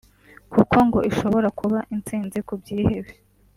kuko ngo ishobora kuba intsinzi ku byihebe